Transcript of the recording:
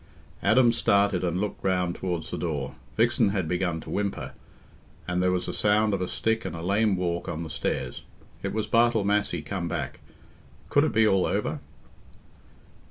Adam started and looked round towards the door. Vixen had begun to whimper, and there was a sound of a stick and a lame walk on the stairs. It was Bartle Massey come back. Could it be all over?